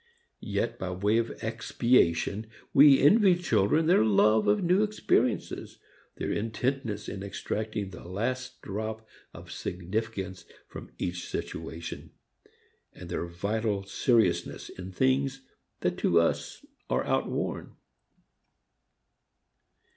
Yet by way of expiation we envy children their love of new experiences, their intentness in extracting the last drop of significance from each situation, their vital seriousness in things that to us are outworn.